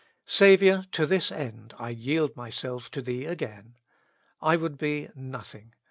Saviour ! to this end I yield myself to Thee again. I would be nothing.